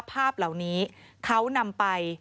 ภาพเหล่านี้เขานำไป